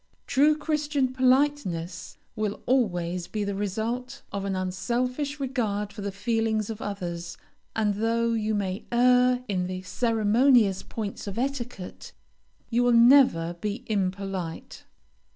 True Christian politeness will always be the result of an unselfish regard for the feelings of others, and though you may err in the ceremonious points of etiquette, you will never be impolite.